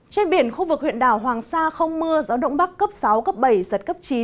trên biển khu vực huyện đảo hoàng sa không mưa gió đông bắc cấp sáu cấp bảy giật cấp chín